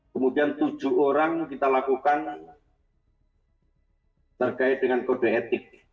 kemudian tujuh orang kita lakukan terkait dengan kode etik